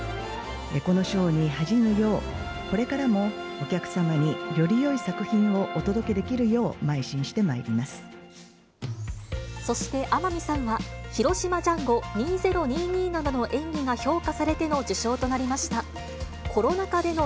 この賞に恥じぬよう、これからもお客様によりよい作品をお届けできるよう、まい進してそして天海さんは、広島ジャンゴ２０２２などの演技が評価されての受賞となりました。